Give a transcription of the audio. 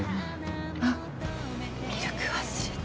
あっミルク忘れた。